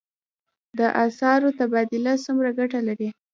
د اسعارو تبادله څومره ګټه لري؟